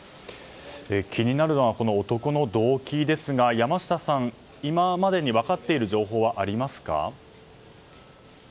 気になるのは男の動機ですが山下さん、今までに分かっている情報はありますか？